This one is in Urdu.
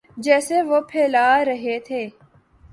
جسے وہ پھیلا رہے تھے۔